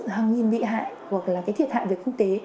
hàng nghìn bị hại hoặc thiệt hại về công tế